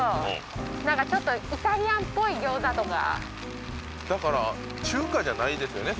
何かちょっとイタリアンっぽい餃子とかだから中華じゃないですよね